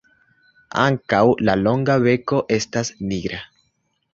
Ankaŭ la longa beko estas nigra.